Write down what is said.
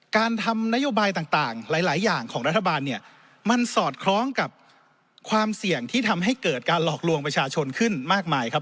การทำนโยบายต่างหลายอย่างของรัฐบาลเนี่ยมันสอดคล้องกับความเสี่ยงที่ทำให้เกิดการหลอกลวงประชาชนขึ้นมากมายครับ